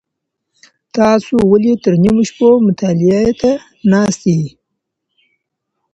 تاسو ولي تر نیمو شپو مطالعې ته ناست یئ؟